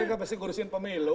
ini gak pasti gurusin pemilu